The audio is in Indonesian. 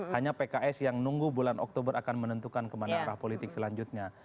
hanya pks yang nunggu bulan oktober akan menentukan kemana arah politik selanjutnya